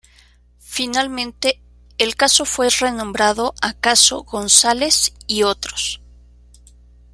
Finalmente, el caso fue renombrado a Caso Gonzáles y Otros.